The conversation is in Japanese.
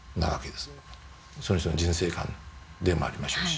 その人の人生観でもありましょうし。